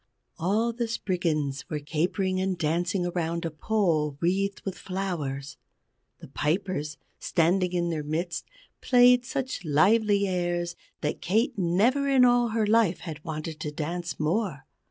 All the Spriggans were capering and dancing around a pole wreathed with flowers. The pipers, standing in their midst, played such lively airs that Kate never in all her life had wanted to dance more.